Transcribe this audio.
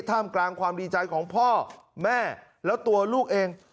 ท่ามกลางความดีใจของพ่อแม่แล้วตัวลูกเอง